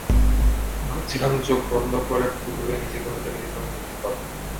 ভাবছিলাম, চোখ বন্ধ করে খুললে নিজেকে হয়তো নিজের রুমে দেখতে পাবো।